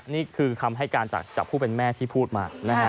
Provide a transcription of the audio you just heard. นี่คือคำให้การจากผู้เป็นแม่ที่พูดมานะฮะ